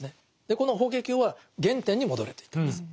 この「法華経」は原点に戻れといったんです。